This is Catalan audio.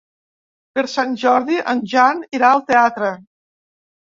Per Sant Jordi en Jan irà al teatre.